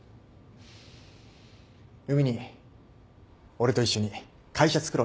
海兄俺と一緒に会社つくろうよ。